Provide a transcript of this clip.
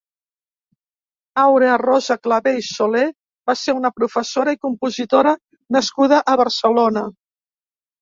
Aurea Rosa Clavé i Soler va ser una professora i compositora nascuda a Barcelona.